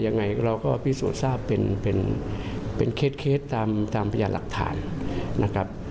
ยังไงเราก็พิสูจน์ทราบเป็นเป็นเคล็ดเคล็ดตามตามประหยาดหลักฐานนะครับ